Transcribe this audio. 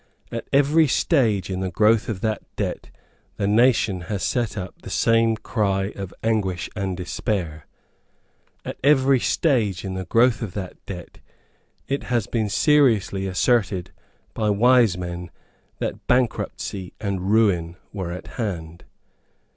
At every stage in the growth of that debt the nation has set up the same cry of anguish and despair. At every stage in the growth of that debt it has been seriously asserted by wise men that bankruptcy and ruin were at hand.